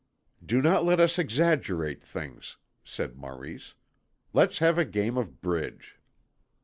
"Do not let us exaggerate things," said Maurice. "Let's have a game of bridge."